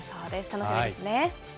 楽しみですね。